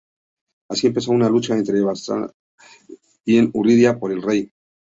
Así empezó una lucha entre bandoleros bien urdida por el Rey.